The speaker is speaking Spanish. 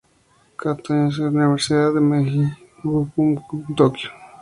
Katō se graduó de la Universidad Meiji Gakuin en Tokio.